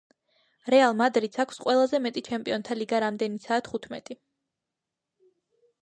რეალ მადრიდს აქვს ყველაზე მეტი ჩემპიონთა ლიგა რამდენიცაა თხუთმეტი